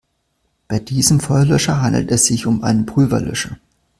Bei diesem Feuerlöscher handelt es sich um einen Pulverlöscher.